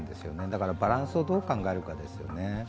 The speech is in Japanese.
だからバランスをどう考えるかですよね。